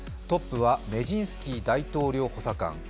トップはメジンスキー大統領補佐官。